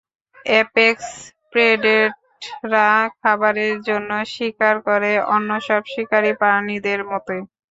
Apex প্রেডেটররা খাবারের জন্য শিকার করে, অন্য সব শিকারী প্রাণীদের মতোই।